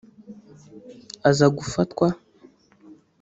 aza gufatwa